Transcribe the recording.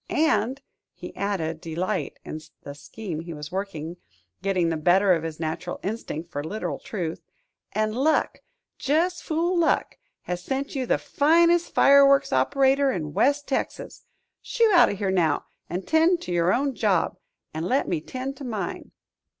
And," he added, delight in the scheme he was working getting the better of his natural instinct for literal truth, "and luck just fool luck has sent you the finest fireworks operator in West Texas. Shoo out of here now, an' 'tend to your own job, an' let me 'tend to mine!"